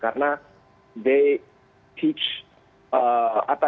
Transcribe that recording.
karena mereka mengajarkan